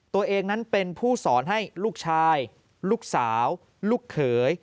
ตัวเองนั้นเป็นผู้สอนให้ลูกชายลูกสาวลูกเขย